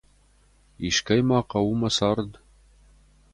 Искӕй ма хъӕуы мӕ цард?